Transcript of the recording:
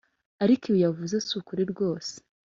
ariko ibi yavuze si ukuri rwose.